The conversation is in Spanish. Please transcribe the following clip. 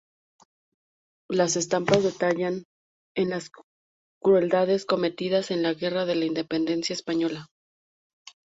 Las estampas detallan las crueldades cometidas en la Guerra de la Independencia Española.